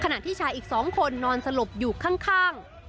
ที่ชายอีก๒คนนอนสลบอยู่ข้าง